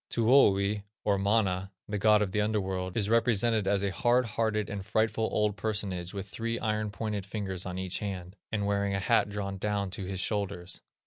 Tuoni, or Mana, the god of the under world, is represented as a hard hearted, and frightful, old personage with three iron pointed fingers on each hand, and wearing a hat drawn down to his shoulders.